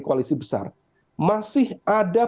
koalisi besar masih ada